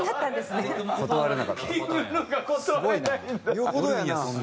よほどやな。